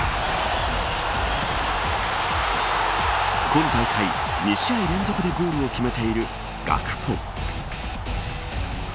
今大会２試合連続でゴールを決めているガクポ。